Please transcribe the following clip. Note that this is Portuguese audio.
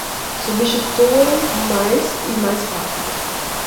Substitua-o mais e mais rápido